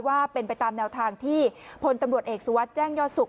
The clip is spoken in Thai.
ว่าเป็นไปตามแนวทางที่พลตำรวจเอกสุวัสดิ์แจ้งยอดสุข